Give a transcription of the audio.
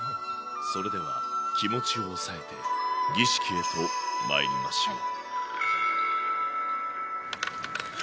それでは、気持ちを抑えて儀式へとまいりましょう。